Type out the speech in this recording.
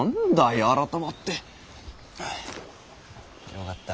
よかった。